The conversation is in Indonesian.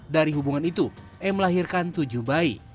dari hubungan itu e melahirkan tujuh bayi